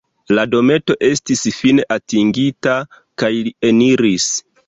La dometo estis fine atingita, kaj li eniris.